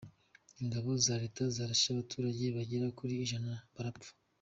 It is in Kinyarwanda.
Ingabo za Leta zarashe abaturage bagera kuri ijana barapfa